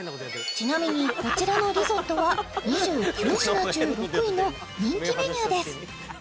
ちなみにこちらのリゾットは２９品中６位の人気メニューです